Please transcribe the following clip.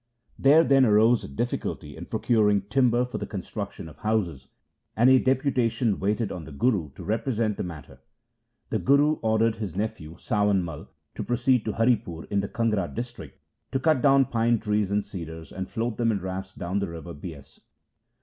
There then arose a difficulty in procuring timber for the construction of houses, and a deputa tion waited on the Guru to represent the matter. The Guru ordered his nephew Sawan Mai to proceed to Haripur in the Kangra district to cut down pine 1 Anand. LIFE OF GURU AMAR DAS 61 trees and cedars, and float them in rafts down the river Bias.